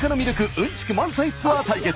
うんちく満載ツアー対決。